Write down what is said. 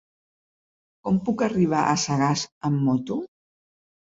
Com puc arribar a Sagàs amb moto?